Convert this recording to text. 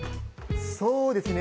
そうですね